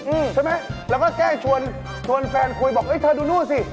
อืมใช่ไหมแล้วก็แก้ชวนชวนแฟนคุยบอกเอ้ยเธอดูนู่นสิ